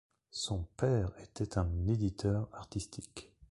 Son père était un éditeur artistique.